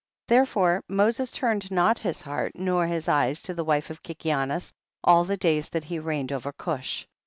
36. Therefore Moses turned not his heart nor his eyes to the wife of Kikianus all the days that he reigned over Cush.